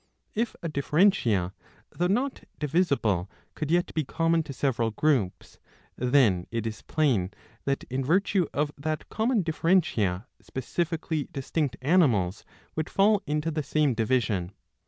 If a differentia though not divisible could yet be common to several groups, then it is plain that in virtue of that common differentia specifically dis tinct animals would fall into the same division.